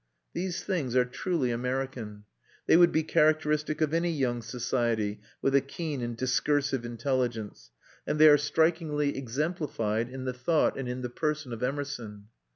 These things are truly American; they would be characteristic of any young society with a keen and discursive intelligence, and they are strikingly exemplified in the thought and in the person of Emerson.